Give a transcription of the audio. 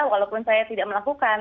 walaupun saya tidak melakukan